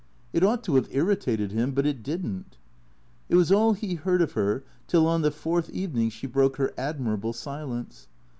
It ought to have irritated him, but it didn't. It was all he heard of her, till on the fourth evening she broke her admirable silence.